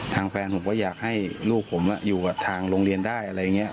ทางแฟนผมก็อยากให้ลูกผมอยู่กับทางโรงเรียนได้อะไรอย่างนี้